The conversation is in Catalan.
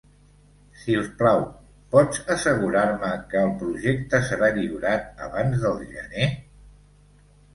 Si us plau, pots assegurar-me que el projecte serà lliurat abans del gener?